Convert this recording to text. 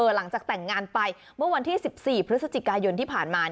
หลังจากแต่งงานไปเมื่อวันที่๑๔พฤศจิกายนที่ผ่านมา